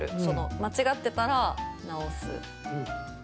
間違ってたら直す。